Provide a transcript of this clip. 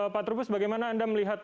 pak trubus bagaimana anda melihat